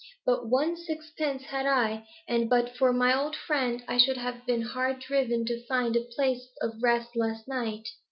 But one sixpence had I, and but for my old friend I should have been hard driven to find a place of rest last night.